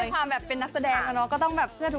งั้นด้วยความแบบเป็อนักแสดงก็ให้ทุกคนเชื่อมั้ย